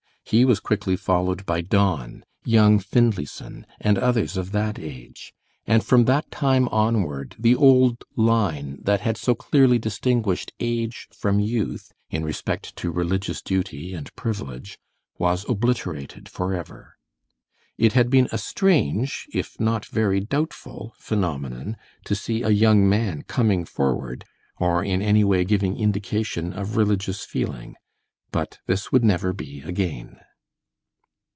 He was quickly followed by Don, young Findlayson, and others of that age, and from that time onward the old line that had so clearly distinguished age from youth in respect to religious duty and privilege, was obliterated forever. It had been a strange, if not very doubtful, phenomenon to see a young man "coming forward," or in any way giving indication of religious feeling. But this would never be again.